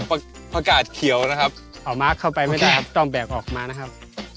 ประกาศเขียวนะครับเอามาร์คเข้าไปไม่ได้ครับต้องแบกออกมานะครับ